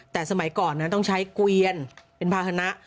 แต่สมัยก่อนนั้นต้องใช้เกวียนเป็นภาษณะ